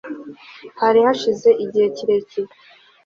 hari hashize igihe kirekire